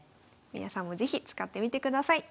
皆さんも是非使ってみてください。